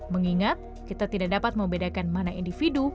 mengingat kita tidak dapat membedakan mana individu